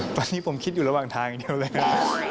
ตอนนี้ผมคิดอยู่ระหว่างทางเดียวเลยครับ